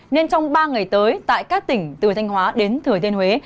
nên trong ba ngày tới tại các tỉnh từ thanh hóa đến thừa thiên huế